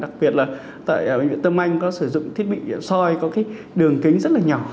đặc biệt là tại bệnh viện tâm anh có sử dụng thiết bị soi có cái đường kính rất là nhỏ